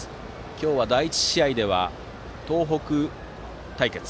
今日は第１試合では東北対決。